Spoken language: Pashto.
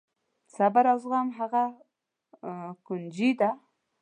صبر او زغم هغه کونجي ده.